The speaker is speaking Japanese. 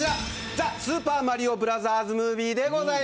ザ・スーパーマリオブラザーズ・ムービーです。